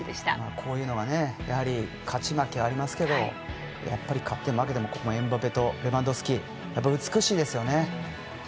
こういうのが、やはり勝ち負けありますけれどもやっぱり勝っても負けてもエムバペと、レバンドフスキ美しいですよね。